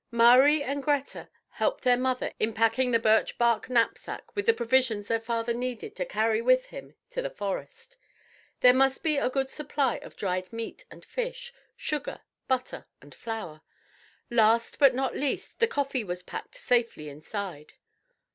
Mari and Greta helped their mother in packing the birch bark knapsack with the provisions their father needed to carry with him to the forest. There must be a good supply of dried meat and fish, sugar, butter, and flour. Last, but not least, the coffee was packed safely inside.